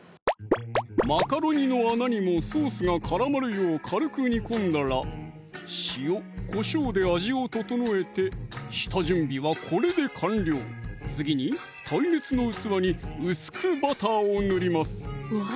マカロニの穴にもソースが絡まるよう軽く煮込んだら塩・こしょうで味を調えて下準備はこれで完了次に耐熱の器に薄くバターを塗りますうわ